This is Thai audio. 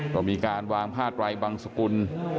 ก็มีการวางพาดไลค์บังสกุล